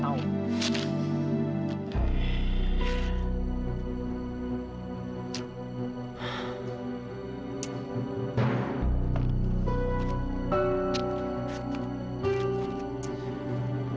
ya allah kakikamu kenapa